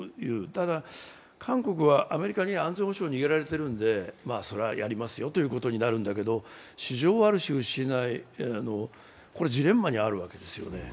ただ韓国はアメリカに安全保障を握られているのでそりゃ、やりますよということになるんだけど、市場をある種失う、これはジレンマにあるわけですよね。